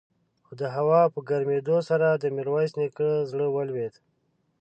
خو د هوا په ګرمېدو سره د ميرويس نيکه زړه ولوېد.